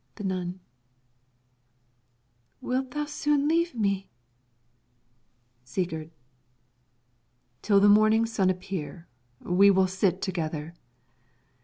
The Nun Wilt thou soon leave me? Sigurd Till the morning sun appear we will sit together.